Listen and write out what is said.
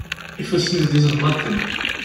Ifassen-is d izelmaḍen.